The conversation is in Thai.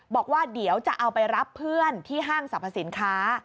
บอกว่าเดี๋ยวจะเอาไปรับเพื่อนที่ห้างสรรพสินค้า